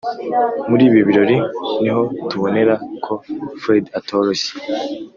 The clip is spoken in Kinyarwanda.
muribi birori niho tubonera ko fred atoroshye